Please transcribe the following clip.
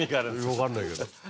分かんないけど。